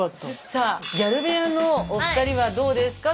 さあギャル部屋のお二人はどうですか？